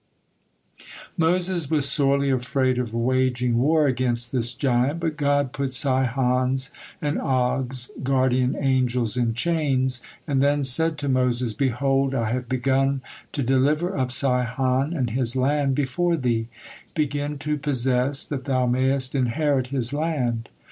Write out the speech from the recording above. Moses was sorely afraid of waging war against this giant, but God put Sihon's and Og's guardian angels in chains, and then said to Moses: "Behold, I have begun to deliver up Sihon and his land before thee: begin to possess, that thou mayest inherit his land."